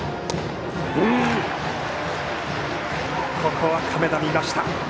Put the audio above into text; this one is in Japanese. ここは亀田、見ました。